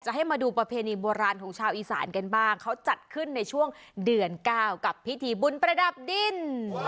ให้มาดูประเพณีโบราณของชาวอีสานกันบ้างเขาจัดขึ้นในช่วงเดือน๙กับพิธีบุญประดับดิน